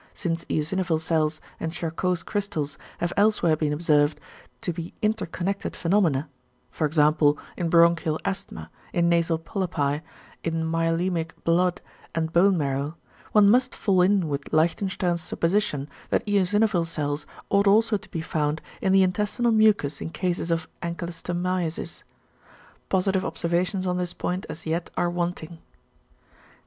Since eosinophil cells and Charcot's crystals have elsewhere been observed to be interconnected phenomena (for example in bronchial asthma, in nasal polypi, in myelæmic blood and bone marrow) one must fall in with Leichtenstern's supposition that eosinophil cells ought also to be found in the intestinal mucus in cases of Ankylostomiasis. Positive observations on this point as yet are wanting.